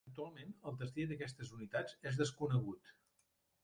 Actualment, el destí d'aquestes unitats és desconegut.